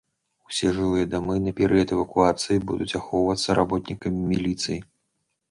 Усе жылыя дамы на перыяд эвакуацыі будуць ахоўвацца работнікамі міліцыі.